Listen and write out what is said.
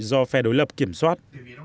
do phe đối lập kiểm soát